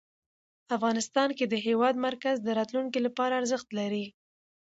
افغانستان کې د هېواد مرکز د راتلونکي لپاره ارزښت لري.